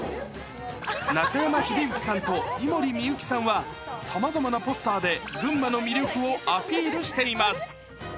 中山秀征さんと井森美幸さんは、さまざまなポスターで群馬の魅力をアピールしています。